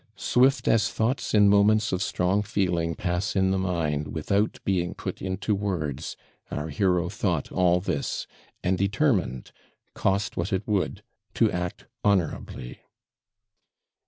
Swift as thoughts in moments of strong feeling pass in the mind without being put into words, our hero thought all this, and determined, cost what it would, to act honourably.